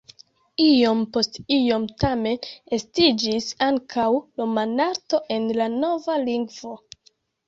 Iom post iom tamen estiĝis ankaŭ romanarto en la nova lingvo.